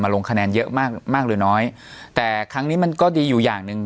ลงคะแนนเยอะมากมากหรือน้อยแต่ครั้งนี้มันก็ดีอยู่อย่างหนึ่ง